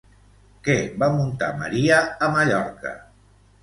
Què va muntar Maria a Mallorca?